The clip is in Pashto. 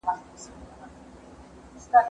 کېدای سي جواب ستونزي ولري!